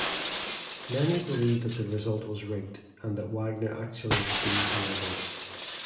Many believe that the result was rigged, and that Wagner actually received more votes.